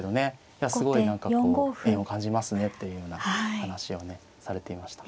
いやすごい何かこう縁を感じますねっていうような話をねされていました。